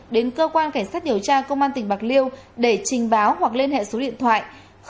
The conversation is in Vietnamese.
đến cơ quan cảnh sát điều tra công an tỉnh bạc liêu để trình báo hoặc lên hệ số điện thoại hai chín một ba tám hai ba bảy tám tám